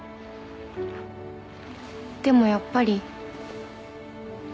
でもやっぱり。